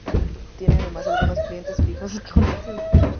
Tiene además algunos clientes fijos, comercios de materiales de la zona.